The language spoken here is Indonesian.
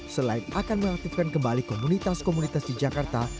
selain akan mengaktifkan kembali komunitas komunitas di jakarta